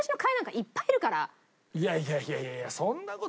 いやいやいやいやそんな事ない。